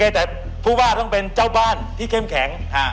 แต่ผู้ว่าต้องเป็นเจ้าบ้านที่เข้มแข็ง